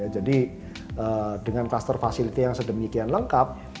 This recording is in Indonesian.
jadi dengan klaster fasilitas yang sedemikian lengkap